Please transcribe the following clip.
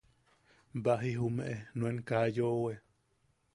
Baji jumeʼe nuen kaa yoʼowe.